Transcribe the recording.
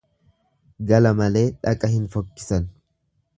Gala malee dhaqa hin fokkisan.